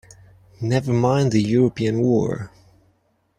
Never mind the European war!